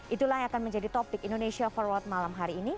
itulah yang akan menjadi topik indonesia forward malam hari ini